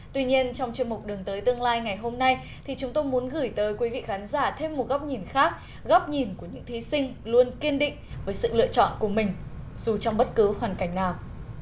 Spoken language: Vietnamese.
tuy nhiên trong chuyên mục đường tới tương lai ngày hôm nay thì chúng tôi muốn gửi tới quý vị khán giả thêm một góc nhìn khác góc nhìn của những thí sinh luôn kiên định với sự lựa chọn của mình dù trong bất cứ hoàn cảnh nào